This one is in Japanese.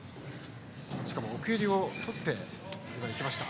しかも奥襟を取っていきました。